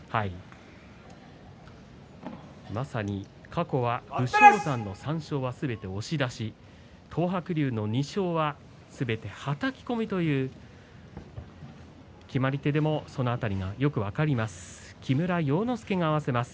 過去は武将山の３勝はすべて押し出し東白龍の２勝はすべてはたき込みという決まり手でもその辺りがよく分かります。